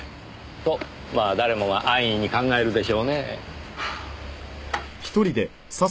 とまあ誰もが安易に考えるでしょうねぇ。